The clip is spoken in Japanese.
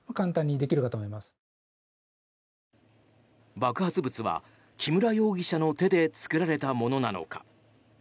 爆発物は木村容疑者の手で作られたものなのか。